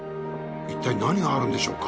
いったい何があるんでしょうか？